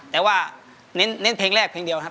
แต่ว่าเน้นเพลงแรกเพลงเดียวครับ